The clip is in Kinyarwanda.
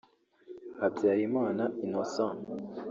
Habyarimana Innocent